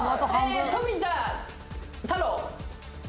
富田太郎。